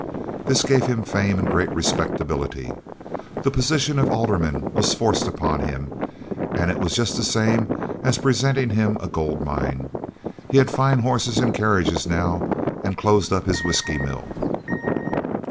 This gave him fame and great respectability. The position of alderman was forced upon him, and it was just the same as presenting him a gold mine. He had fine horses and carriages, now, and closed up his whiskey mill.